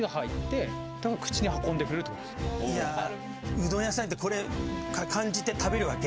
うどん屋さん行ってこれ感じて食べるわけ？